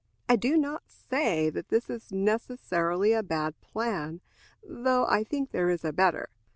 I do not say that this is necessarily a bad plan, though I think there is a better.